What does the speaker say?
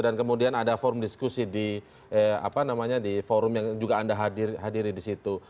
dan kemudian ada forum diskusi di forum yang juga anda hadir di situ